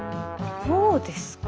そうですか。